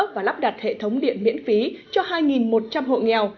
cung cấp và lắp đặt hệ thống điện miễn phí cho hai một trăm linh hộ nghèo